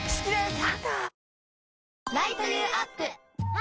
あ！